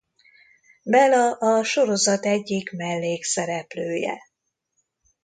Bela a sorozat egyik mellékszereplője.